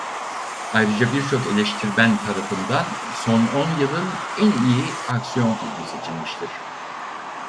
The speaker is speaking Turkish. Ayrıca birçok eleştirmen tarafından son on yılın en iyi aksiyon filmi seçilmiştir.